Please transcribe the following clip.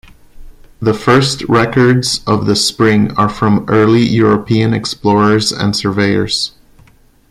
The first records of the spring are from early European explorers and surveyors.